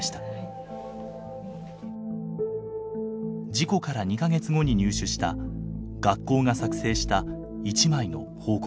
事故から２か月後に入手した学校が作成した一枚の報告書。